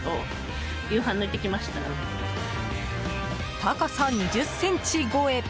高さ２０ｃｍ超え！